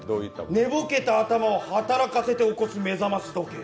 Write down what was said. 寝ぼけた頭を働かせて起こす目覚まし時計。